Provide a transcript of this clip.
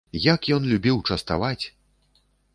Як ён любіў частаваць!